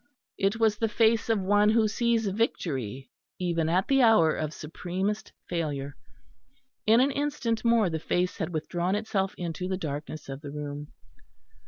It was the face of one who sees victory even at the hour of supremest failure. In an instant more the face had withdrawn itself into the darkness of the room.